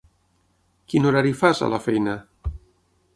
Quin horari fas, a la feina?